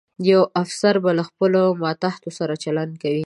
یو افسر به له خپلو ماتحتو سره چلند کوي.